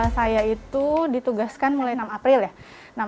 saya itu ditugaskan mulai enam april ya